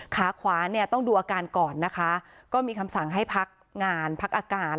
ขาขวาเนี่ยต้องดูอาการก่อนนะคะก็มีคำสั่งให้พักงานพักอาการ